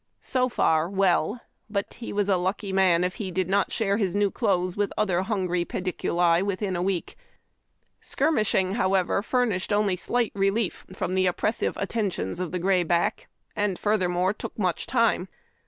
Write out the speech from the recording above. So far well ; but he was a lucky man if he did not share his new clothes with other hungry pediculi inside of a week. " Skirnushing," however, furnished only slight relief from the oj^pressive attentions of the grayback, and furthermore took much time.